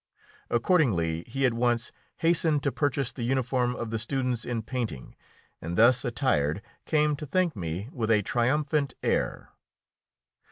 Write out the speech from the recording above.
Accordingly, he at once hastened to purchase the uniform of the students in painting, and thus attired came to thank me with a triumphant air.